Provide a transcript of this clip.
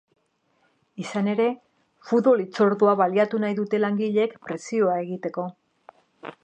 Izan ere, futbol hitzordua baliatu nahi dute langileek presioa egiteko.